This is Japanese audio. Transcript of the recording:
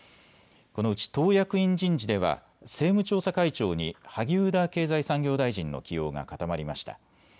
このうち党役員人事では政務調査会長に萩生田経済産業大臣の起用が固まりました。